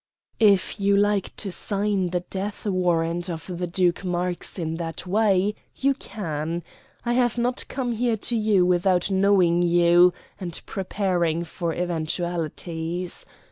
"If you like to sign the death warrant of the Duke Marx in that way, you can. I have not come here to you without knowing you, and preparing for eventualities.